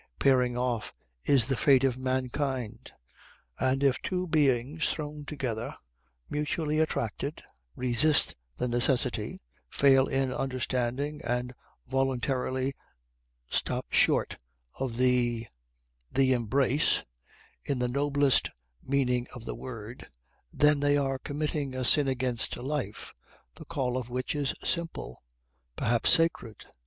Pairing off is the fate of mankind. And if two beings thrown together, mutually attracted, resist the necessity, fail in understanding and voluntarily stop short of the the embrace, in the noblest meaning of the word, then they are committing a sin against life, the call of which is simple. Perhaps sacred.